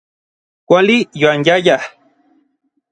Kuali yoanyayaj.